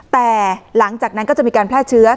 แต่หลังจากนั้นก็จะมีการแพร่เชื้อ